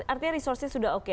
artinya resourcenya sudah oke